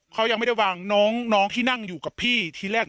เขายังไม่ได้วางน้องที่นั่งอยู่กับพี่ทีแรก